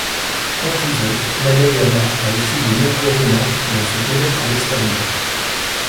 En prison, Nagayama a écrit de nombreux romans qui l'ont fait connaître à l'extérieur.